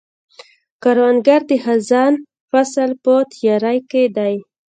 کروندګر د خزان فصل په تیاري کې دی